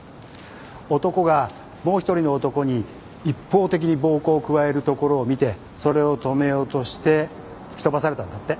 男がもう一人の男に一方的に暴行を加えるところを見てそれを止めようとして突き飛ばされたんだって。